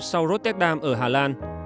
sau rotterdam ở hà lan